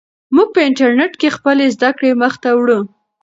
موږ په انټرنیټ کې خپلې زده کړې مخ ته وړو.